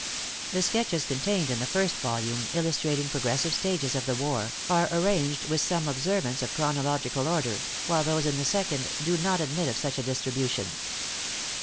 The sketches contained in the first volume, illustrating progressive stages of the war, are arranged with some observance of chronological order; while those in the second do not admit of such a distribution.